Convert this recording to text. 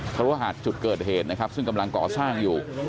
เพราะว่าหาดจุดเกิดเหตุนะครับซึ่งกำลังก่อสร้างอยู่